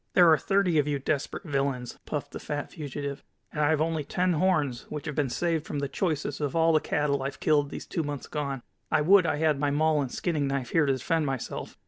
"There are thirty of you desperate villains," puffed the fat fugitive, "and I have only ten horns, which have been saved from the choicest of all the cattle I've killed these two months gone. I would I had my maul and skinning knife here to defend myself.